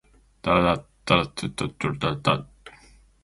ただ、彼の意志の強さだけは隊員達は理解した